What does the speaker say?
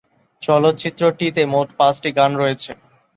চলচ্চিত্রটিতে মোট পাঁচটি গান রয়েছে।